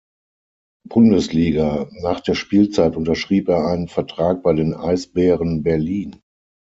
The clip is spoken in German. Bundesliga, nach der Spielzeit unterschrieb er einen Vertrag bei den Eisbären Berlin.